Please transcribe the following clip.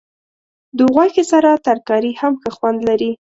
د غوښې سره ترکاري هم ښه خوند لري.